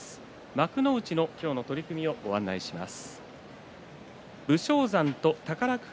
幕内の今日の取組をご紹介します。